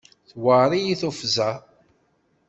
Tewɛeṛ-iyi tuffẓa.